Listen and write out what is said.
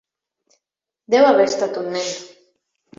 Deu haver estat un nen.